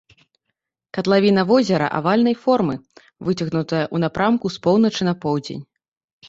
Катлавіна возера авальнай формы, выцягнутая ў напрамку з поўначы на поўдзень.